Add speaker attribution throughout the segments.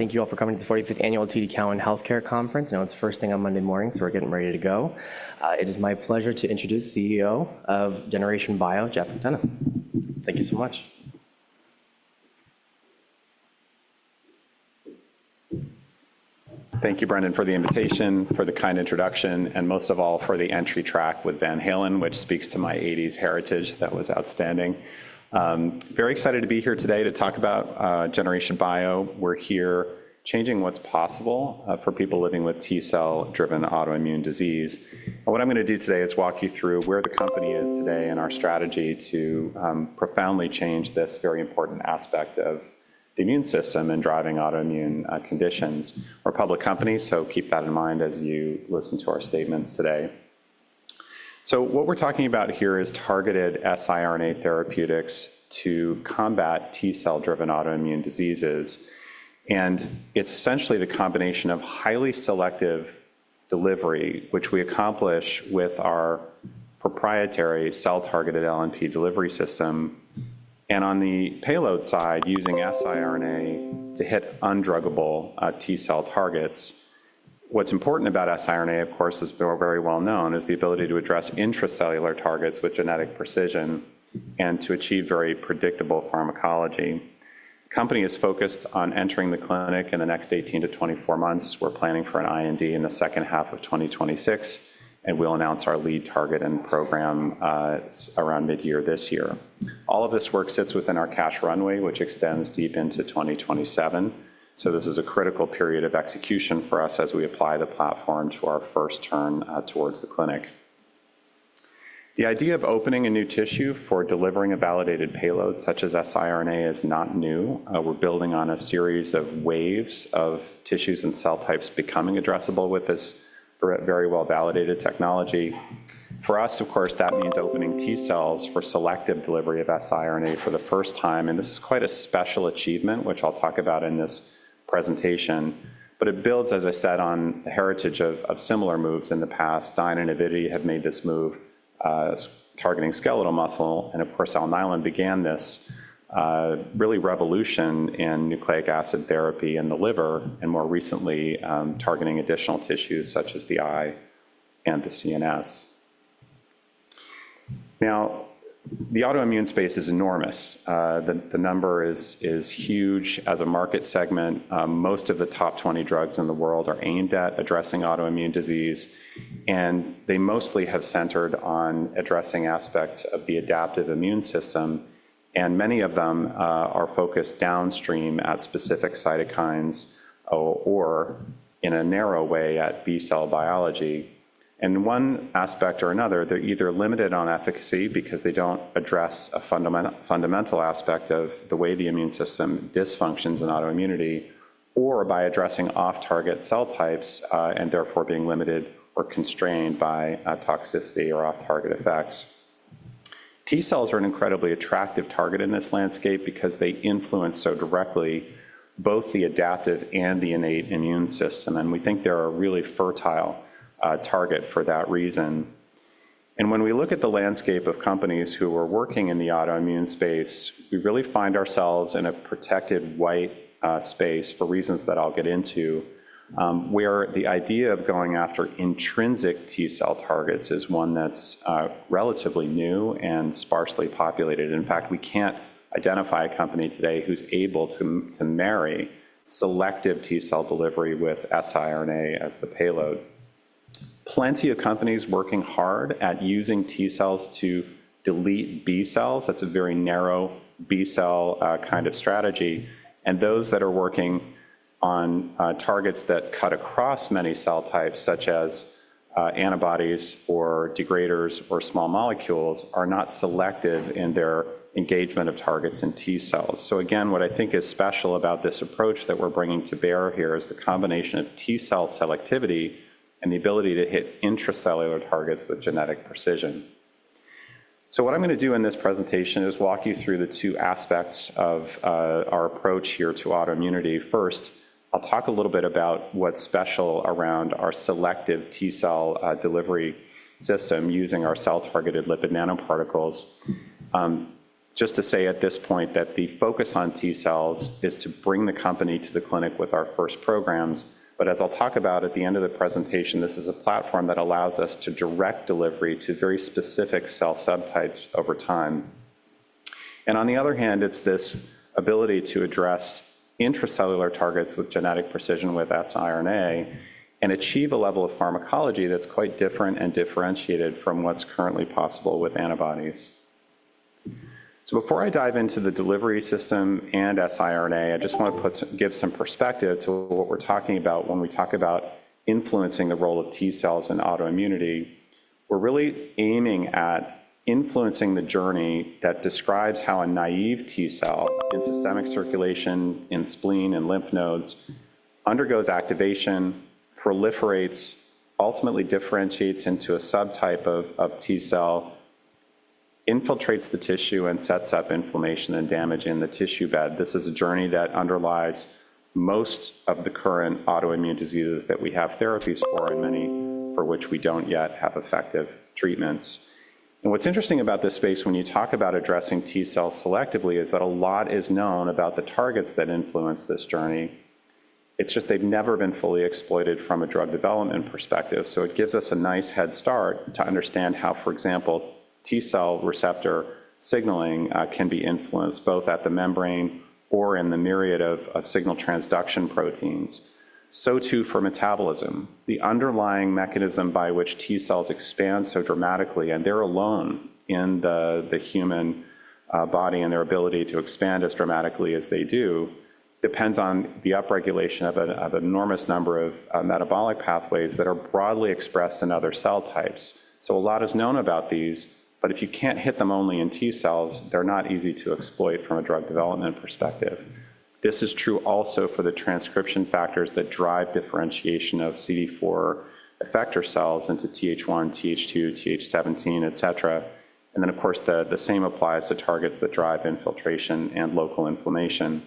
Speaker 1: Thank you all for coming to the 45th Annual TD Cowen Healthcare Conference. I know it's first thing on Monday morning, so we're getting ready to go. It is my pleasure to introduce CEO of Generation Bio, Geoff McDonough. Thank you so much.
Speaker 2: Thank you, Brendan, for the invitation, for the kind introduction, and most of all for the entry track with Van Halen, which speaks to my '80s heritage that was outstanding. Very excited to be here today to talk about Generation Bio. We're here changing what's possible for people living with T cell-driven autoimmune disease. What I'm going to do today is walk you through where the company is today and our strategy to profoundly change this very important aspect of the immune system and driving autoimmune conditions. We're a public company, so keep that in mind as you listen to our statements today. What we're talking about here is targeted siRNA therapeutics to combat T cell-driven autoimmune diseases. It's essentially the combination of highly selective delivery, which we accomplish with our proprietary cell-targeted LNP delivery system. On the payload side, using siRNA to hit undruggable T cell targets. What's important about siRNA, of course, as we're very well known, is the ability to address intracellular targets with genetic precision and to achieve very predictable pharmacology. The company is focused on entering the clinic in the next 18 to 24 months. We're planning for an IND in the second half of 2026, and we'll announce our lead target and program around mid-year this year. All of this work sits within our cash runway, which extends deep into 2027. This is a critical period of execution for us as we apply the platform to our first turn towards the clinic. The idea of opening a new tissue for delivering a validated payload such as siRNA is not new. We're building on a series of waves of tissues and cell types becoming addressable with this very well-validated technology. For us, of course, that means opening T cells for selective delivery of siRNA for the first time. This is quite a special achievement, which I'll talk about in this presentation. It builds, as I said, on the heritage of similar moves in the past. Dyne and Evity have made this move targeting skeletal muscle. Allemann began this really revolution in nucleic acid therapy in the liver, and more recently targeting additional tissues such as the eye and the CNS. Now, the autoimmune space is enormous. The number is huge as a market segment. Most of the top 20 drugs in the world are aimed at addressing autoimmune disease, and they mostly have centered on addressing aspects of the adaptive immune system. Many of them are focused downstream at specific cytokines or in a narrow way at B cell biology. In one aspect or another, they are either limited on efficacy because they do not address a fundamental aspect of the way the immune system dysfunctions in autoimmunity, or by addressing off-target cell types and therefore being limited or constrained by toxicity or off-target effects. T cells are an incredibly attractive target in this landscape because they influence so directly both the adaptive and the innate immune system. We think they are a really fertile target for that reason. When we look at the landscape of companies who are working in the autoimmune space, we really find ourselves in a protected white space for reasons that I will get into, where the idea of going after intrinsic T cell targets is one that is relatively new and sparsely populated. In fact, we can't identify a company today who's able to marry selective T cell delivery with siRNA as the payload. Plenty of companies working hard at using T cells to delete B cells. That's a very narrow B cell kind of strategy. Those that are working on targets that cut across many cell types, such as antibodies or degraders or small molecules, are not selective in their engagement of targets in T cells. What I think is special about this approach that we're bringing to bear here is the combination of T cell selectivity and the ability to hit intracellular targets with genetic precision. What I'm going to do in this presentation is walk you through the two aspects of our approach here to autoimmunity. First, I'll talk a little bit about what's special around our selective T cell delivery system using our cell-targeted lipid nanoparticles. Just to say at this point that the focus on T cells is to bring the company to the clinic with our first programs. As I'll talk about at the end of the presentation, this is a platform that allows us to direct delivery to very specific cell subtypes over time. On the other hand, it's this ability to address intracellular targets with genetic precision with siRNA and achieve a level of pharmacology that's quite different and differentiated from what's currently possible with antibodies. Before I dive into the delivery system and siRNA, I just want to give some perspective to what we're talking about when we talk about influencing the role of T cells in autoimmunity. We're really aiming at influencing the journey that describes how a naive T cell in systemic circulation in spleen and lymph nodes undergoes activation, proliferates, ultimately differentiates into a subtype of T cell, infiltrates the tissue, and sets up inflammation and damage in the tissue bed. This is a journey that underlies most of the current autoimmune diseases that we have therapies for and many for which we don't yet have effective treatments. What's interesting about this space, when you talk about addressing T cells selectively, is that a lot is known about the targets that influence this journey. It's just they've never been fully exploited from a drug development perspective. It gives us a nice head start to understand how, for example, T cell receptor signaling can be influenced both at the membrane or in the myriad of signal transduction proteins. Too for metabolism, the underlying mechanism by which T cells expand so dramatically, and they're alone in the human body in their ability to expand as dramatically as they do, depends on the upregulation of an enormous number of metabolic pathways that are broadly expressed in other cell types. A lot is known about these, but if you can't hit them only in T cells, they're not easy to exploit from a drug development perspective. This is true also for the transcription factors that drive differentiation of CD4 effector cells into Th1, Th2, Th17, et cetera. Of course, the same applies to targets that drive infiltration and local inflammation.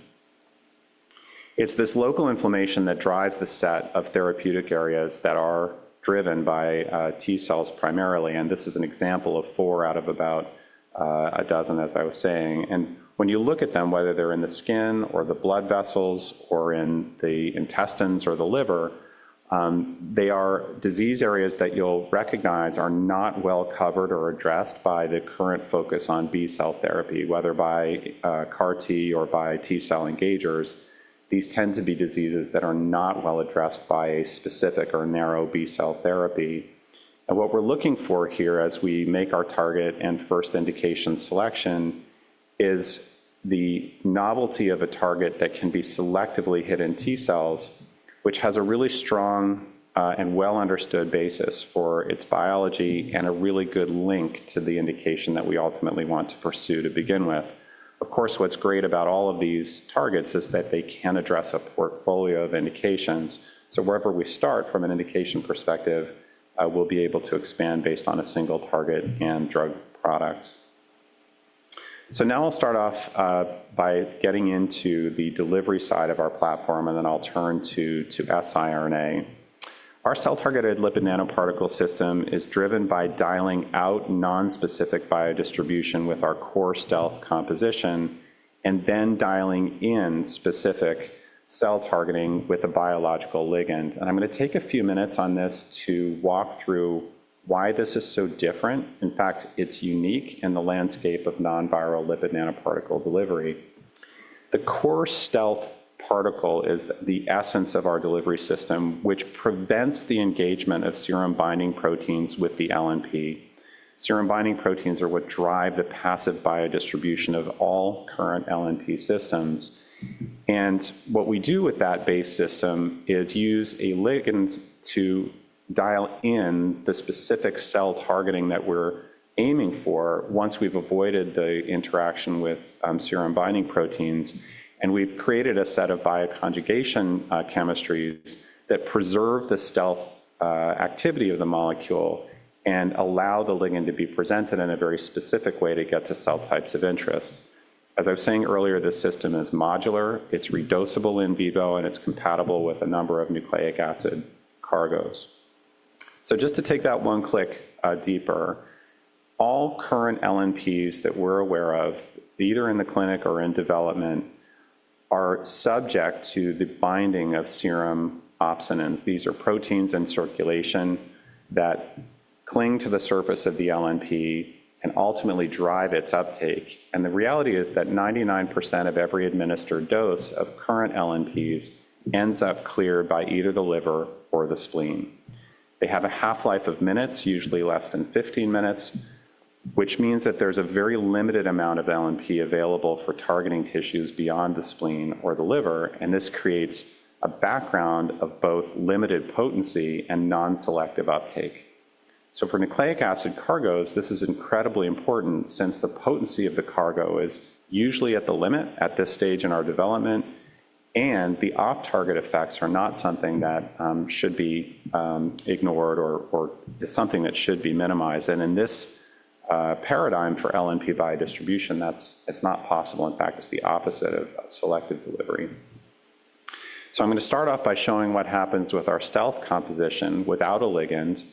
Speaker 2: It's this local inflammation that drives the set of therapeutic areas that are driven by T cells primarily. This is an example of four out of about a dozen, as I was saying. When you look at them, whether they're in the skin or the blood vessels or in the intestines or the liver, they are disease areas that you'll recognize are not well covered or addressed by the current focus on B cell therapy, whether by CAR-T or by T cell engagers. These tend to be diseases that are not well addressed by a specific or narrow B cell therapy. What we're looking for here as we make our target and first indication selection is the novelty of a target that can be selectively hit in T cells, which has a really strong and well-understood basis for its biology and a really good link to the indication that we ultimately want to pursue to begin with. Of course, what's great about all of these targets is that they can address a portfolio of indications. Wherever we start from an indication perspective, we'll be able to expand based on a single target and drug product. Now I'll start off by getting into the delivery side of our platform, and then I'll turn to siRNA. Our cell-targeted lipid nanoparticle system is driven by dialing out nonspecific biodistribution with our core stealth composition and then dialing in specific cell targeting with a biological ligand. I'm going to take a few minutes on this to walk through why this is so different. In fact, it's unique in the landscape of non-viral lipid nanoparticle delivery. The core stealth particle is the essence of our delivery system, which prevents the engagement of serum-binding proteins with the LNP. Serum-binding proteins are what drive the passive biodistribution of all current LNP systems. What we do with that base system is use a ligand to dial in the specific cell targeting that we're aiming for once we've avoided the interaction with serum-binding proteins. We have created a set of bioconjugation chemistries that preserve the stealth activity of the molecule and allow the ligand to be presented in a very specific way to get to cell types of interest. As I was saying earlier, this system is modular. It is reducible in vivo, and it is compatible with a number of nucleic acid cargoes. Just to take that one click deeper, all current LNPs that we're aware of, either in the clinic or in development, are subject to the binding of serum opsonins. These are proteins in circulation that cling to the surface of the LNP and ultimately drive its uptake. The reality is that 99% of every administered dose of current LNPs ends up cleared by either the liver or the spleen. They have a half-life of minutes, usually less than 15 minutes, which means that there is a very limited amount of LNP available for targeting tissues beyond the spleen or the liver. This creates a background of both limited potency and non-selective uptake. For nucleic acid cargoes, this is incredibly important since the potency of the cargo is usually at the limit at this stage in our development, and the off-target effects are not something that should be ignored or something that should be minimized. In this paradigm for LNP biodistribution, that is not possible. In fact, it is the opposite of selective delivery. I am going to start off by showing what happens with our stealth composition without a ligand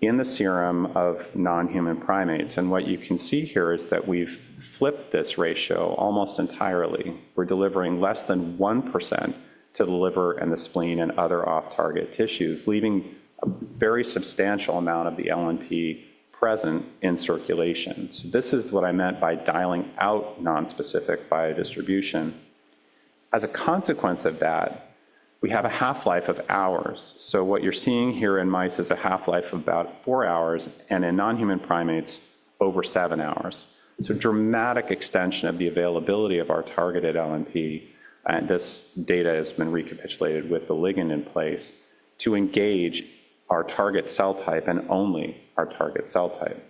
Speaker 2: in the serum of non-human primates. What you can see here is that we've flipped this ratio almost entirely. We're delivering less than 1% to the liver and the spleen and other off-target tissues, leaving a very substantial amount of the LNP present in circulation. This is what I meant by dialing out non-specific biodistribution. As a consequence of that, we have a half-life of hours. What you're seeing here in mice is a half-life of about four hours, and in non-human primates, over seven hours. Dramatic extension of the availability of our targeted LNP. This data has been recapitulated with the ligand in place to engage our target cell type and only our target cell type.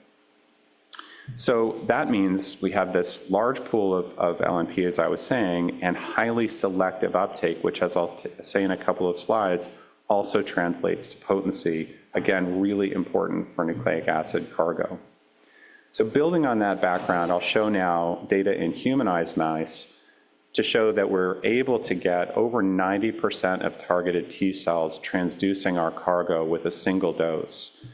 Speaker 2: That means we have this large pool of LNP, as I was saying, and highly selective uptake, which, as I'll say in a couple of slides, also translates to potency, again, really important for nucleic acid cargo. Building on that background, I'll show now data in humanized mice to show that we're able to get over 90% of targeted T cells transducing our cargo with a single dose.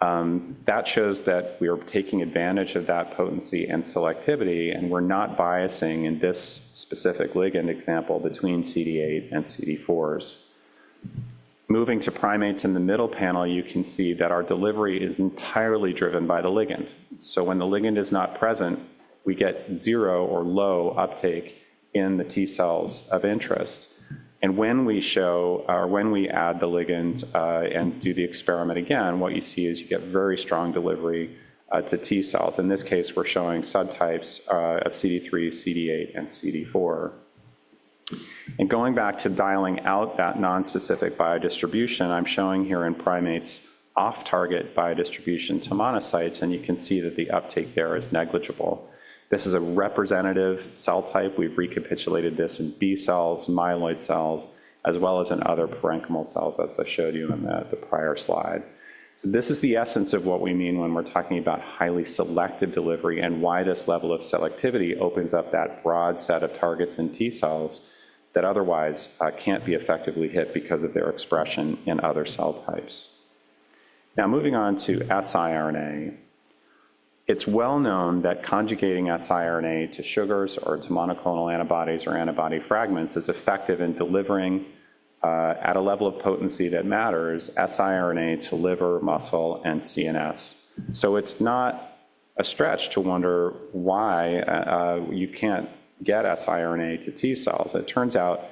Speaker 2: That shows that we are taking advantage of that potency and selectivity, and we're not biasing in this specific ligand example between CD8 and CD4s. Moving to primates in the middle panel, you can see that our delivery is entirely driven by the ligand. When the ligand is not present, we get zero or low uptake in the T cells of interest. When we show or when we add the ligand and do the experiment again, what you see is you get very strong delivery to T cells. In this case, we're showing subtypes of CD3, CD8, and CD4. Going back to dialing out that non-specific biodistribution, I'm showing here in primates off-target biodistribution to monocytes, and you can see that the uptake there is negligible. This is a representative cell type. We've recapitulated this in B cells, myeloid cells, as well as in other parenchymal cells, as I showed you in the prior slide. This is the essence of what we mean when we're talking about highly selective delivery and why this level of selectivity opens up that broad set of targets in T cells that otherwise can't be effectively hit because of their expression in other cell types. Now, moving on to siRNA, it's well known that conjugating siRNA to sugars or to monoclonal antibodies or antibody fragments is effective in delivering at a level of potency that matters siRNA to liver, muscle, and CNS. It is not a stretch to wonder why you can't get siRNA to T cells. It turns out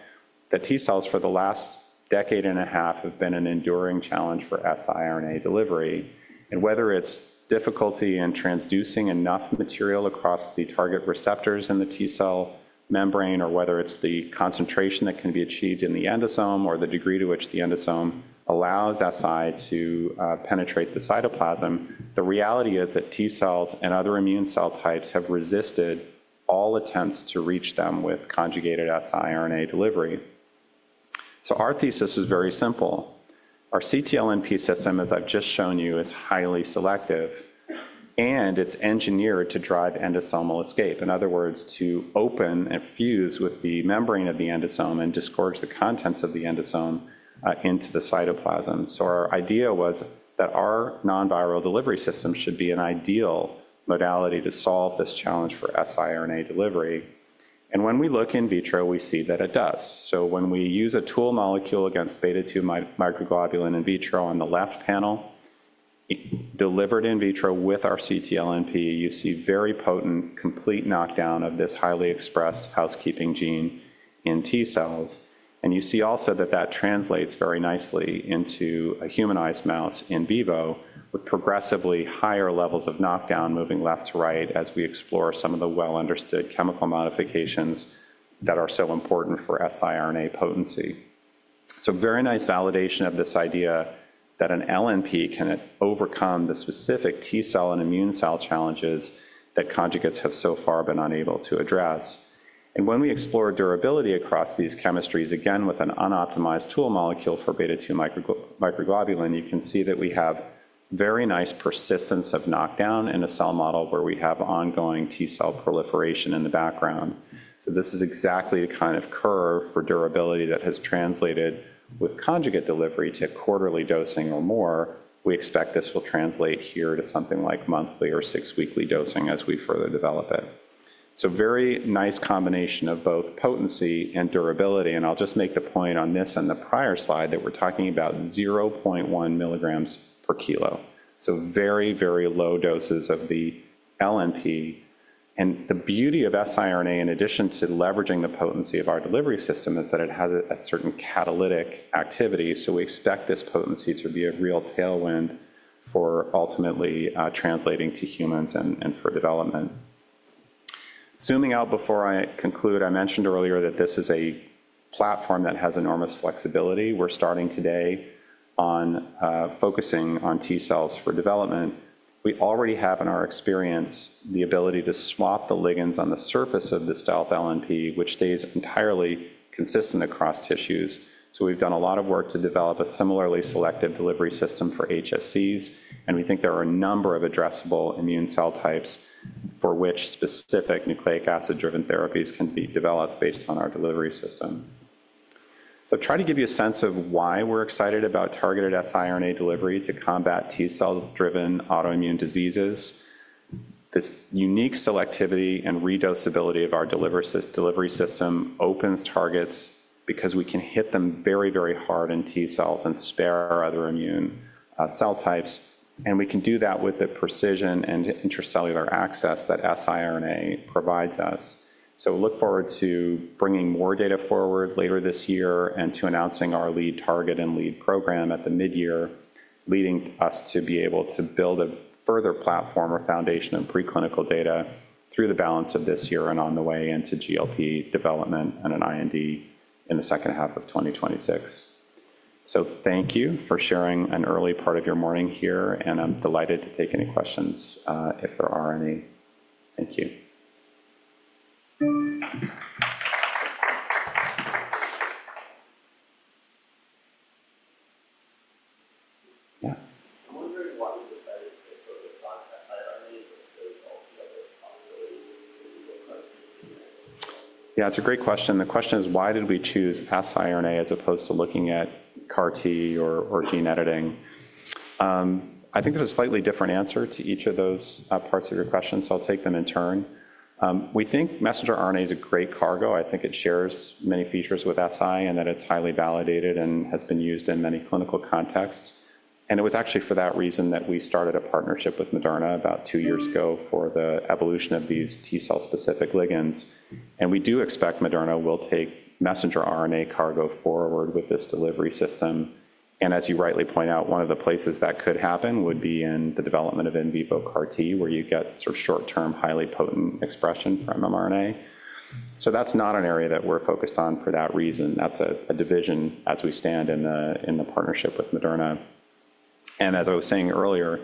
Speaker 2: that T cells for the last decade and a half have been an enduring challenge for siRNA delivery. Whether it's difficulty in transducing enough material across the target receptors in the T cell membrane, or whether it's the concentration that can be achieved in the endosome or the degree to which the endosome allows si to penetrate the cytoplasm, the reality is that T cells and other immune cell types have resisted all attempts to reach them with conjugated siRNA delivery. Our thesis was very simple. Our ctLNP system, as I've just shown you, is highly selective, and it's engineered to drive endosomal escape. In other words, to open and fuse with the membrane of the endosome and discourage the contents of the endosome into the cytoplasm. Our idea was that our non-viral delivery system should be an ideal modality to solve this challenge for siRNA delivery. When we look in vitro, we see that it does. When we use a tool molecule against beta-2 microglobulin in vitro on the left panel, delivered in vitro with our ctLNP, you see very potent complete knockdown of this highly expressed housekeeping gene in T cells. You see also that that translates very nicely into a humanized mouse in vivo with progressively higher levels of knockdown moving left to right as we explore some of the well-understood chemical modifications that are so important for siRNA potency. Very nice validation of this idea that an LNP can overcome the specific T cell and immune cell challenges that conjugates have so far been unable to address. When we explore durability across these chemistries, again, with an unoptimized tool molecule for beta-2 microglobulin, you can see that we have very nice persistence of knockdown in a cell model where we have ongoing T cell proliferation in the background. This is exactly the kind of curve for durability that has translated with conjugate delivery to quarterly dosing or more. We expect this will translate here to something like monthly or six-weekly dosing as we further develop it. Very nice combination of both potency and durability. I'll just make the point on this and the prior slide that we're talking about 0.1 milligrams per kilo. Very, very low doses of the LNP. The beauty of siRNA, in addition to leveraging the potency of our delivery system, is that it has a certain catalytic activity. We expect this potency to be a real tailwind for ultimately translating to humans and for development. Zooming out before I conclude, I mentioned earlier that this is a platform that has enormous flexibility. We're starting today on focusing on T cells for development. We already have, in our experience, the ability to swap the ligands on the surface of the stealth LNP, which stays entirely consistent across tissues. We have done a lot of work to develop a similarly selective delivery system for HSCs. We think there are a number of addressable immune cell types for which specific nucleic acid-driven therapies can be developed based on our delivery system. I have tried to give you a sense of why we are excited about targeted siRNA delivery to combat T cell-driven autoimmune diseases. This unique selectivity and reducibility of our delivery system opens targets because we can hit them very, very hard in T cells and spare our other immune cell types. We can do that with the precision and intracellular access that siRNA provides us. We look forward to bringing more data forward later this year and to announcing our lead target and lead program at the mid-year, leading us to be able to build a further platform or foundation of preclinical data through the balance of this year and on the way into GLP development and an IND in the second half of 2026. Thank you for sharing an early part of your morning here, and I'm delighted to take any questions if there are any. Thank you. Yeah. I'm wondering why we decided to focus on siRNA versus all the other possibilities. Yeah, it's a great question. The question is, why did we choose siRNA as opposed to looking at CAR-T or gene editing? I think there's a slightly different answer to each of those parts of your question, so I'll take them in turn. We think messenger RNA is a great cargo. I think it shares many features with si and that it's highly validated and has been used in many clinical contexts. It was actually for that reason that we started a partnership with Moderna about two years ago for the evolution of these T cell-specific ligands. We do expect Moderna will take messenger RNA cargo forward with this delivery system. As you rightly point out, one of the places that could happen would be in the development of in vivo CAR-T, where you get sort of short-term, highly potent expression from mRNA. That is not an area that we're focused on for that reason. That is a division as we stand in the partnership with Moderna. As I was saying earlier,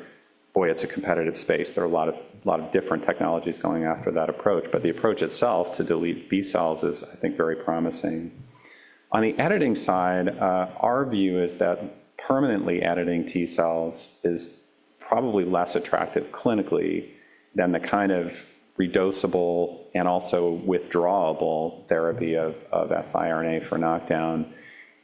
Speaker 2: boy, it's a competitive space. There are a lot of different technologies going after that approach. The approach itself to delete B cells is, I think, very promising. On the editing side, our view is that permanently editing T cells is probably less attractive clinically than the kind of reducible and also withdrawable therapy of siRNA for knockdown.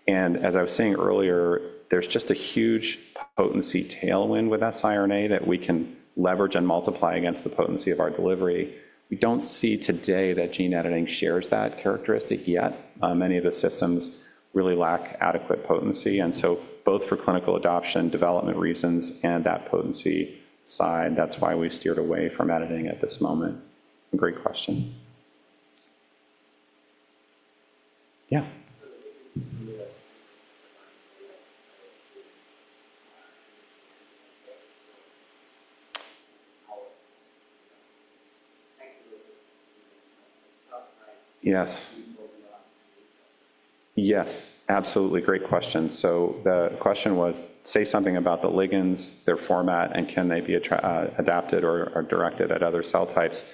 Speaker 2: As I was saying earlier, there is just a huge potency tailwind with siRNA that we can leverage and multiply against the potency of our delivery. We do not see today that gene editing shares that characteristic yet. Many of the systems really lack adequate potency. Both for clinical adoption development reasons and that potency side, that is why we have steered away from editing at this moment. Great question. Yes. Yes, absolutely. Great question. The question was, say something about the ligands, their format, and can they be adapted or directed at other cell types.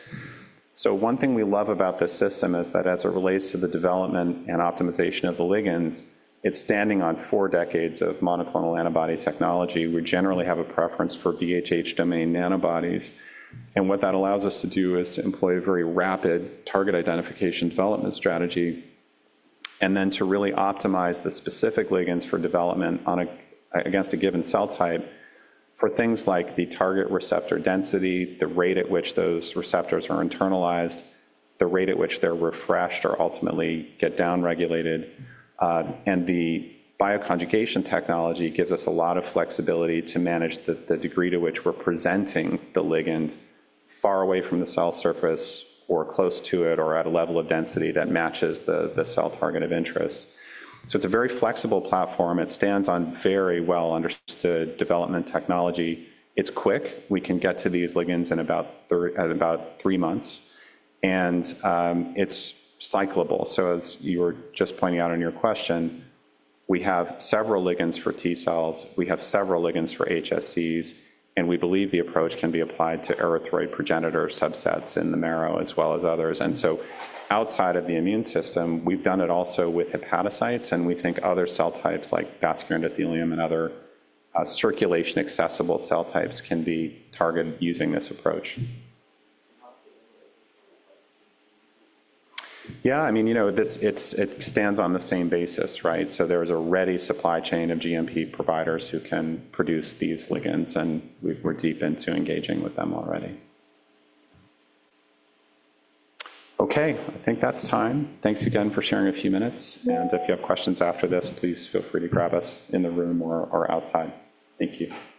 Speaker 2: One thing we love about this system is that as it relates to the development and optimization of the ligands, it's standing on four decades of monoclonal antibodies technology. We generally have a preference for VHH-domain nanobodies. What that allows us to do is to employ a very rapid target identification development strategy and then to really optimize the specific ligands for development against a given cell type for things like the target receptor density, the rate at which those receptors are internalized, the rate at which they're refreshed or ultimately get downregulated. The bioconjugation technology gives us a lot of flexibility to manage the degree to which we're presenting the ligand far away from the cell surface or close to it or at a level of density that matches the cell target of interest. It is a very flexible platform. It stands on very well-understood development technology. It's quick. We can get to these ligands in about three months. It's cyclable. As you were just pointing out in your question, we have several ligands for T cells. We have several ligands for HSCs. We believe the approach can be applied to erythroid progenitor subsets in the marrow as well as others. Outside of the immune system, we've done it also with hepatocytes. We think other cell types like vascular endothelium and other circulation-accessible cell types can be targeted using this approach. I mean, it stands on the same basis, right? There is a ready supply chain of GMP providers who can produce these ligands, and we're deep into engaging with them already. I think that's time. Thanks again for sharing a few minutes. If you have questions after this, please feel free to grab us in the room or outside. Thank you.